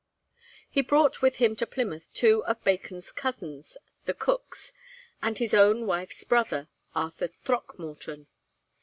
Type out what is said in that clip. He brought with him to Plymouth two of Bacon's cousins, the Cookes, and his own wife's brother, Arthur Throckmorton.